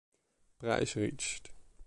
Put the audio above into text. Price reached.